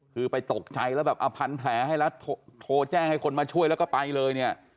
คือไปตกใจแล้วแบบเอาพันแผลให้แล้วโทรแจ้งให้คนมาช่วยแล้วก็ไปเลยเนี่ย